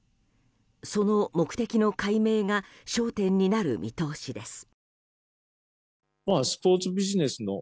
その目的の解明が焦点になる見通しです。